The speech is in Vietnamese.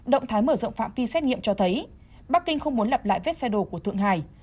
động thái mở rộng phạm vi xét nghiệm cho thấy bắc kinh không muốn lập lại vết xe đồ của thượng hải